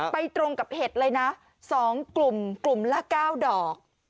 ตรงกับเห็ดเลยนะ๒กลุ่มกลุ่มละ๙ดอก